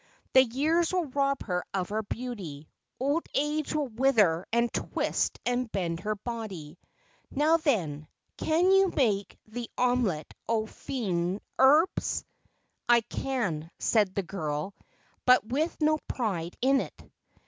The years will rob her of her beauty. Old age will wither and twist and bend her body. Now then, can you make the omelette aux fines herbesf "I can," said the girl; but with no pride in it.